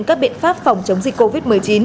các biện pháp phòng chống dịch covid một mươi chín